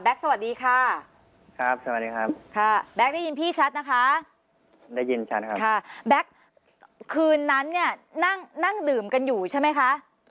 แบล็คสวัสดีค่ะแบล็คได้ยินพี่ชัดนะคะแบล็คคืนนั้นนั่งดื่มกันอยู่ใช่ไหมคะ